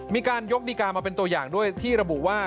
มีการยกดีการ์มาเป็นตัวอย่างด้วยที่ระบุว่า